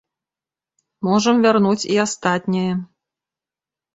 Можам вярнуць і астатняе.